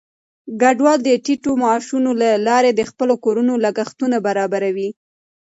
کډوال د ټیټو معاشونو له لارې د خپلو کورونو لګښتونه برابروي.